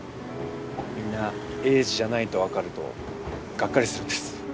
みんな栄治じゃないと分かるとがっかりするんです。